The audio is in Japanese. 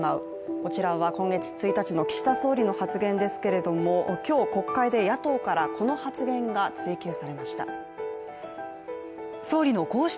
こちらは今月１日の岸田総理の発言ですけれども、今日、国会で野党からこの発言が追及されました。